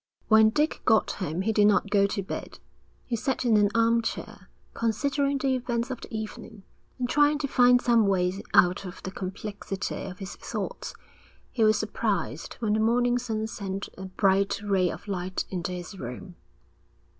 When Dick got home he did not go to bed. He sat in an armchair, considering the events of the evening, and trying to find some way out of the complexity of his thoughts. He was surprised when the morning sun sent a bright ray of light into his room.